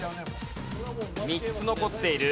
３つ残っている。